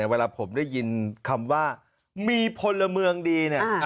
เวลาผมได้ยินคำว่ามีพลเมืองดีเนี่ย